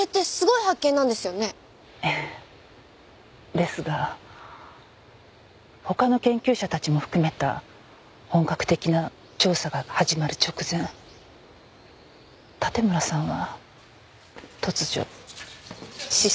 ですが他の研究者たちも含めた本格的な調査が始まる直前盾村さんは突如失踪してしまったんです。